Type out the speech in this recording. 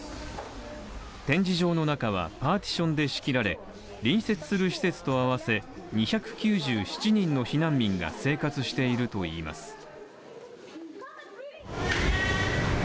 展示場の中はパーティションで区切られ、隣接する施設と合わせて２９７人の避難民が生活しているといいます。